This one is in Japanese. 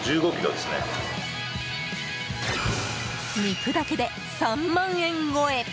肉だけで、３万円超え。